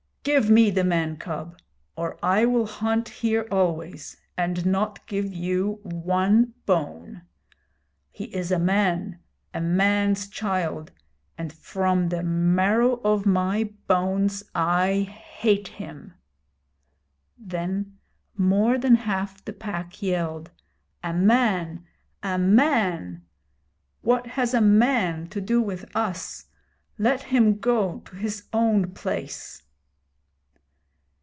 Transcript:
Give me the man cub, or I will hunt here always, and not give you one bone. He is a man, a man's child, and from the marrow of my bones I hate him!' Then more than half the Pack yelled: A man! a man! What has a man to do with us? Let him go to his own place.